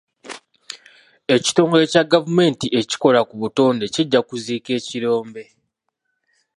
Ekitongole kya gavumenti ekikola ku butonde kijja kuziika ekirombe.